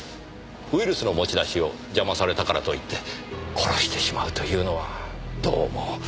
ウイルスの持ち出しを邪魔されたからといって殺してしまうというのはどうも。